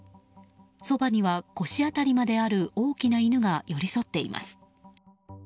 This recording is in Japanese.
そばには、腰辺りまである大きな犬が寄り添っています。